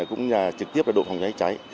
cũng trực tiếp là đội phòng cháy cháy